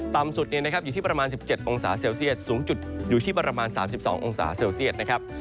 ต่ำสุดอยู่ที่ประมาณ๑๗องศาเซลเซียสสูงสุดอยู่ที่ประมาณ๓๒องศาเซลเซียตนะครับ